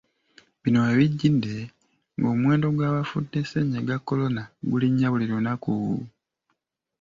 Bino we bijjidde ng’omuwendo gy’abafudde ssennyiga Corona gulinnya buli lunaku.